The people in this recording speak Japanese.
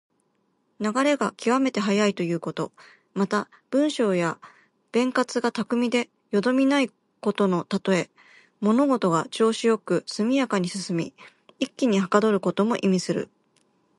流れが極めて速いということ。また、文章や弁舌が巧みでよどみのないことのたとえ。物事が調子良く速やかに進み、一気にはかどることも意味する。